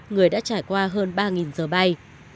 người đã trải qua hơn ba giờ bay